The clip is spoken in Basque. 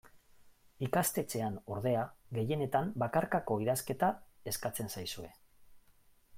Ikastetxean, ordea, gehienetan bakarkako idazketa eskatzen zaizue.